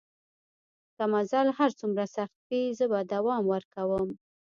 که مزل هر څومره سخت وي زه به دوام ورکوم.